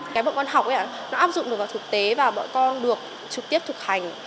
cái bộ con học áp dụng được vào thực tế và bọn con được trực tiếp thực hành